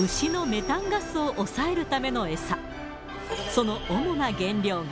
その主な原料が。